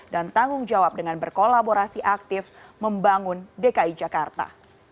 dan tanggung jawab dengan berkolaborasi aktif membangun dki jakarta